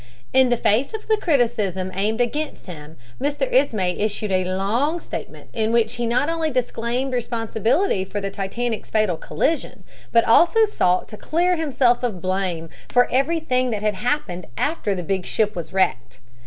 In the face of the criticism aimed against him Mr. Ismay issued a long statement in which he not only disclaimed responsibility for the Titanic's fatal collision, but also sought to clear himself of blame for everything that happened after the big ship was wrecked.